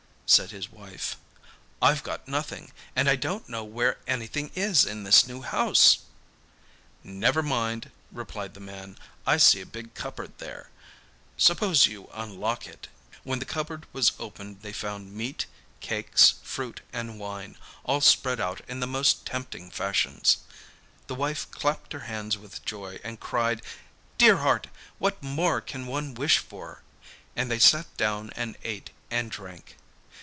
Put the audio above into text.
Said his wife, 'I've got nothing, and I don't know where anything is in this new house.' 'Never mind,' replied the man. 'I see a big cupboard there. Suppose you unlock it.' When the cupboard was opened they found meat, cakes, fruit, and wine, all spread out in the most tempting fashions. The wife clapped her hands with joy, and cried: 'Dear heart! what more can one wish for?' and they sat down and ate and drank.